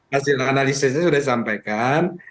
hasil analisisnya sudah disampaikan